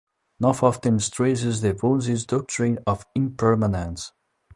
Noh often stresses the Buddhist doctrine of impermanence.